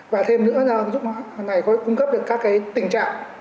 và thêm nữa là ứng dụng này có cung cấp được các cái tình trạng